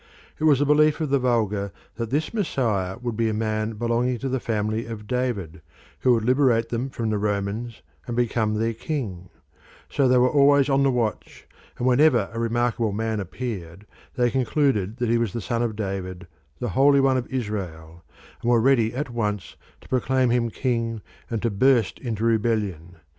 It was the belief of the vulgar that this Messiah would be a man belonging to the family of David, who would liberate them from the Romans and become their king; so they were always on the watch, and whenever a remarkable man appeared they concluded that he was the son of David, the Holy One of Israel, and were ready at once to proclaim him king and to burst into rebellion.